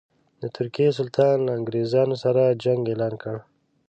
د ترکیې سلطان له انګرېزانو سره جنګ اعلان کړی.